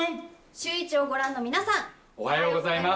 シューイチをご覧の皆さん、おはようございます。